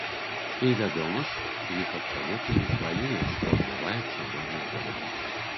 І, вядома ж, іх абсалютна не хвалюе, што адбываецца ў родным горадзе.